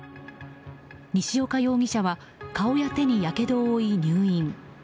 西岡容疑者は顔や手にやけどを負い入院。